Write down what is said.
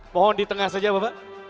mohon di tengah saja bapak